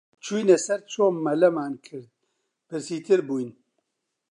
چووینە سەر چۆم، مەلەمان کرد، برسیتر بووین